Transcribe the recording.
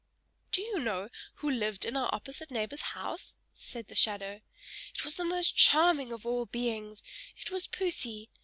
"Do you know who lived in our opposite neighbor's house?" said the shadow. "It was the most charming of all beings, it was Poesy!